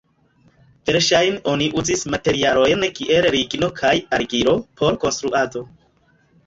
Verŝajne oni uzis materialojn kiel ligno kaj argilo por konstruado.